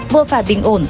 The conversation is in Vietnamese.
vừa phải bình ổn